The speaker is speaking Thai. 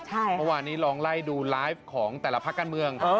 เมื่อวานนี้ลองไล่ดูไลฟ์ของแต่ละภาคการเมือง